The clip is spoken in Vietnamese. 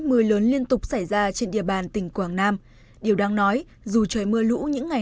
mưa lớn liên tục xảy ra trên địa bàn tỉnh quảng nam điều đáng nói dù trời mưa lũ những ngày